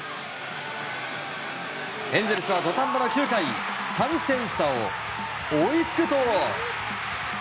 エンゼルスは土壇場の９回３点差を追いつくと。